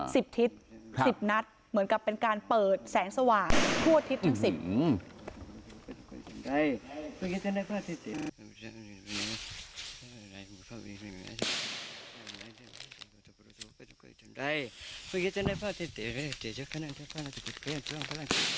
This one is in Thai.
สิบทิศสิบนัดเหมือนกับเป็นการเปิดแสงสว่างทั่วอาทิตย์ทั้งสิบอืม